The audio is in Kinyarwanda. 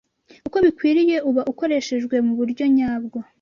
uko bikwiriye uba ukoreshejwe mu buryo nyabwo.